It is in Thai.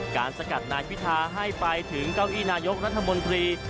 สกัดนายพิทาให้ไปถึงเก้าอี้นายกรัฐมนตรี